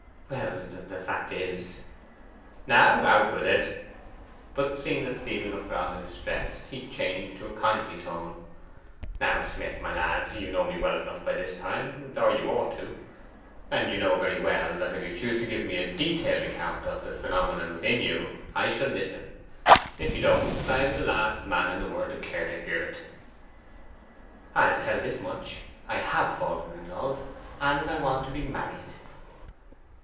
'Well the fact is ' 'Now, out with it.' But seeing that Stephen looked rather distressed, he changed to a kindly tone. 'Now Smith, my lad, you know me well enough by this time, or you ought to; and you know very well that if you choose to give me a detailed account of the phenomenon within you, I shall listen; if you don't, I am the last man in the world to care to hear it.' 'I'll tell this much: I HAVE fallen in love, and I want to be MARRIED.